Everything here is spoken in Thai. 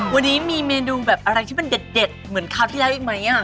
วันนี้มีเมนูแบบอะไรที่มันเด็ดเหมือนคราวที่แล้วอีกไหม